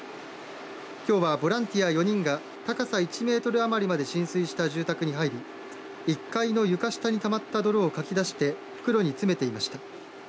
きょうは、ボランティア４人が高さ１メートル余りまで浸水した住宅に入り１階の床下にたまった泥をかき出して袋に詰めていました。